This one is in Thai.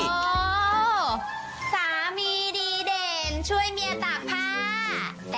โอ้สามีดีเด่นช่วยเมียตากผ้า